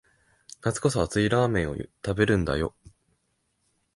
夏こそ熱いラーメンを食べるんだよ